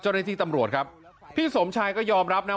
จนในทีตำรวจครับพี่สมชายก็ยอมรับนะ